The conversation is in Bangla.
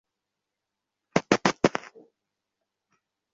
তুমি একটা বোকাচোদা কারণ আমি বেতন পাচ্ছি এবং তুমি এদিকে পালিয়ে বেড়াচ্ছো।